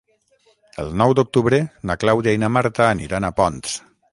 El nou d'octubre na Clàudia i na Marta aniran a Ponts.